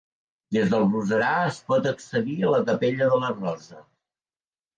Des del roserar es pot accedir a la Capella de la Rosa.